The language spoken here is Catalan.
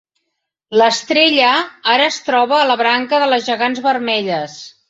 L"estrella ara es troba la branca de les gegants vermelles.